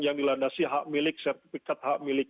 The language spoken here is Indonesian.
yang dilandasi hak milik sertifikat hak milik